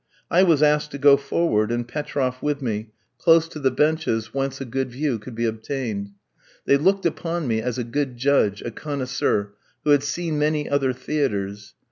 I was asked to go forward, and Petroff with me, close to the benches, whence a good view could be obtained. They looked upon me as a good judge, a connoisseur, who had seen many other theatres.